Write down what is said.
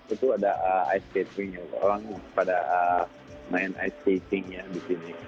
itu ada ice cake train ya orang yang main ice cake train disini